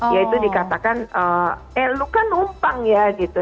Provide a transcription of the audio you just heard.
ya itu dikatakan eh lu kan numpang ya gitu